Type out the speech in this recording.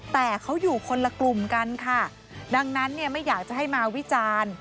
แต่เขาอยู่คนละกลุ่มกันค่ะดังนั้นเนี่ยไม่อยากจะให้มาวิจารณ์